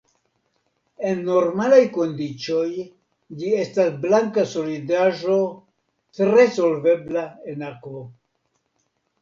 En normalaj kondiĉoj ĝi estas blanka solidaĵo tre solvebla en akvo.